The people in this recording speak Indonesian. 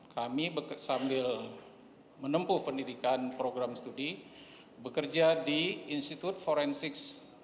kami sambil menempuh pendidikan program studi bekerja di institut forensik